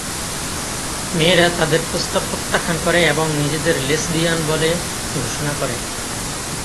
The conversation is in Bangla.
মেয়েরা তাদের প্রস্তাব প্রত্যাখ্যান করে এবং নিজেদের লেসবিয়ান বলে ঘোষণা করে।